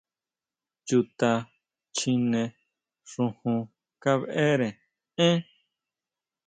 ¿Chuta chjine xujun kabeʼre én?